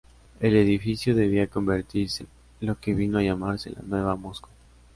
El edificio debía convertirse en lo que vino a llamarse la ""Nueva Moscú"".